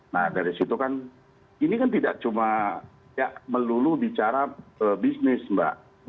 nah dari situ kan ini kan tidak cuma melulu bicara bisnis mbak